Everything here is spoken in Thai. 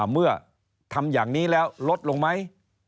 เมื่อทำอย่างนี้แล้วลดลงไหม